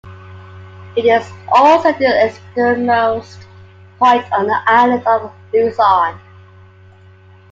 It is also the easternmost point on the Island of Luzon.